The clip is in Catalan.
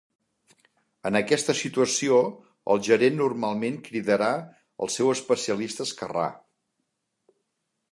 En aquesta situació, el gerent normalment cridarà al seu especialista esquerrà.